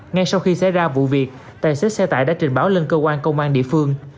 ngay sau khi xảy ra vụ việc tài xế xe tải đã trình báo lên cơ quan công an địa phương